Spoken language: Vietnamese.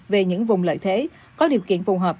về những vùng lợi thế có điều kiện phù hợp